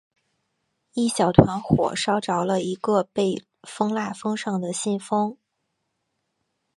一小团火烧着了一个被封蜡封上的信封。